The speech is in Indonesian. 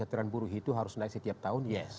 keteran buruh itu harus naik setiap tahun